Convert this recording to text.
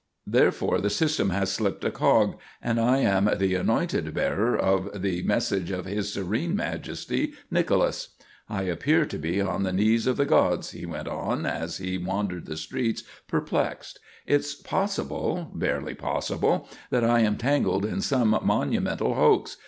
Therefore the system has slipped a cog, and I am the anointed bearer of the message of His Serene Majesty, Nicholas. I appear to be on the knees of the gods," he went on, as he wandered the streets, perplexed. "It's possible, barely possible, that I am tangled in some monumental hoax.